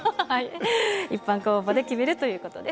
一般公募で決めるということです。